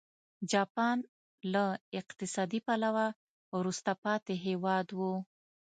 جاپان له اقتصادي پلوه وروسته پاتې هېواد و.